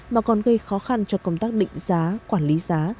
mà còn gây khó khăn cho công tác định giá quản lý giá